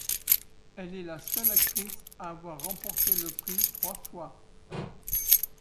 Elle est la seule actrice à avoir remporté le prix trois fois.